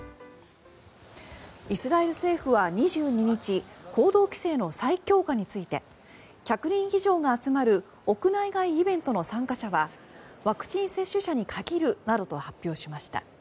イスラエル政府は２２日行動規制の再強化について１００人以上が集まる屋内外イベントの参加者はワクチン接種者に限るなどと発表しました。